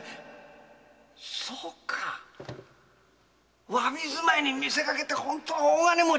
そうか侘び住まいに見せかけて本当は大金持ちってことか！